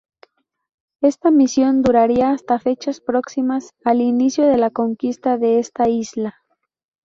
Esta misión duraría hasta fechas próximas al inicio de la conquista de esta isla.